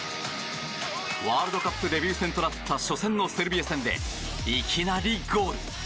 ワールドカップデビュー戦となった初戦のセルビア戦でいきなりゴール！